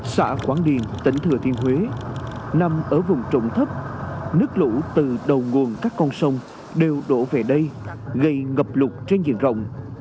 xã quảng điền tỉnh thừa thiên huế nằm ở vùng trụng thấp nước lũ từ đầu nguồn các con sông đều đổ về đây gây ngập lụt trên diện rộng